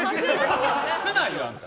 室内よ、あんた。